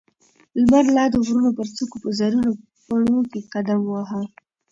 لمر لا د غرونو پر څوکو په زرينو پڼو کې قدم واهه.